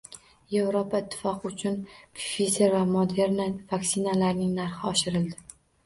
Yevropa Ittifoqi uchun Pfizer va Moderna vaksinalarining narxi oshirildi